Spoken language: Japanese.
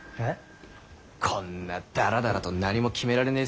こんなだらだらと何も決められねぇ